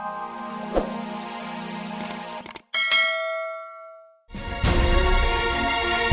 kamu lagi tarik perang kita